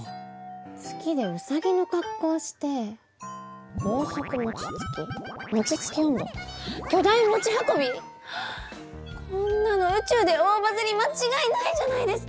月でうさぎの格好して高速もちつきもちつき音頭巨大もち運びはあっこんなの宇宙で大バズリ間違いないじゃないですか！